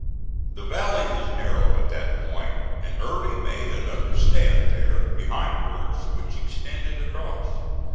The valley is narrow at that point, and Early made another stand there, behind works which extended across.